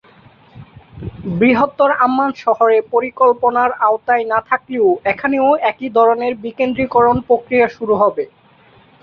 বৃহত্তর আম্মান শহর এ পরিকল্পনার আওতায় না থাকলেও এখানেও একই ধরনের বিকেন্দ্রীকরণ প্রক্রিয়া শুরু হবে।